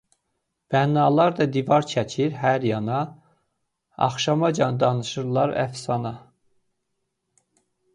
Bənnalar da divar çəkir hər yana, Axşamacan danışırlar əfsana.